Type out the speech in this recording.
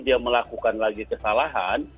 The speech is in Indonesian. dia melakukan lagi kesalahan